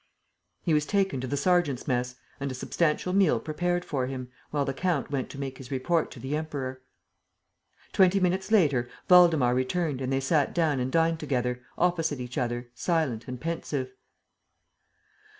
..." He was taken to the sergeants' mess and a substantial meal prepared for him, while the count went to make his report to the Emperor. Twenty minutes later, Waldemar returned and they sat down and dined together, opposite each other, silent and pensive.